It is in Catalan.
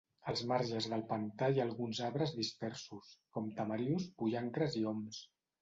Als marges del pantà hi ha alguns arbres dispersos, com tamarius, pollancres i oms.